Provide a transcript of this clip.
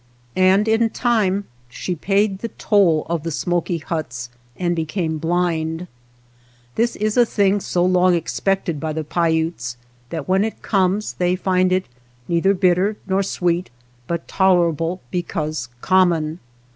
And in time she paid the toll of the smoky huts and became 'blind. This is a thing so long expected by the Paiutes that when it comes they find it neither bitter nor sweet, but toler 176 THE BASKET MAKER able because common.